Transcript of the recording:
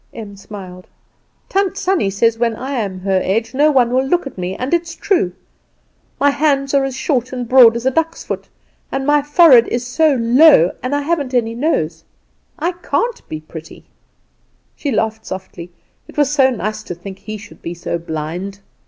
Em smiled. "Tant Sannie says when I am her age no one will look at me; and it is true. My hands are as short and broad as a duck's foot, and my forehead is so low, and I haven't any nose. I can't be pretty." She laughed softly. It was so nice to think he should be so blind.